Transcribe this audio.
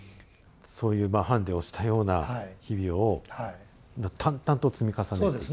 そういう判で押したような日々を淡々と積み重ねていく。